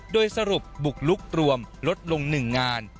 โดยสรุปบุกลุกรวมลดลง๑งาน